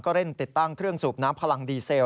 เร่งติดตั้งเครื่องสูบน้ำพลังดีเซล